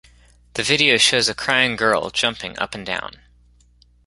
The video shows a crying girl jumping up and down.